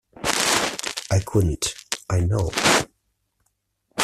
I couldn’t, I know.